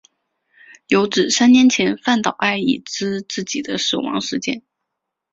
有指三年前饭岛爱已知自己的死亡时间。